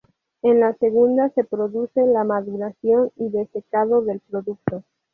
En la segunda, se produce la maduración y desecado del producto.